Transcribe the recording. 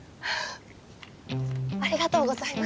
ありがとうございます。